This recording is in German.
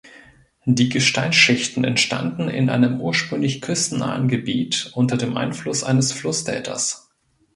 Die Gesteinsschichten entstanden in einem ursprünglich küstennahen Gebiet unter dem Einfluss eines Flussdeltas.